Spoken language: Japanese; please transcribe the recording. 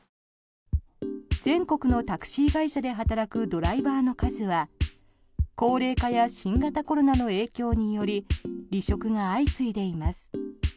全国のタクシー会社で働くドライバーの数は高齢化や新型コロナの影響により離職が相次いでいます。